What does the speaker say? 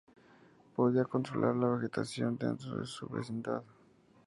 Podía controlar la vegetación dentro de su vecindad.